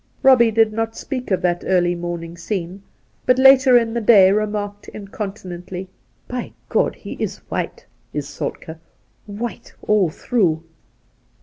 Eobbie did not speak of that early morning scene, but later in the day remarked incontinently :' By God ! he is white, is Soltkd — white all through.'